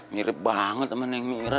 mirip banget sama neng merah